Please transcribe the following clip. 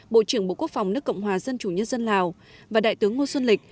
bộ trưởng bộ quốc phòng nước cộng hòa dân chủ nhân dân lào và đại tướng ngô xuân lịch